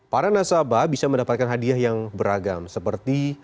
para nasabah bisa mendapatkan hadiah yang beragam seperti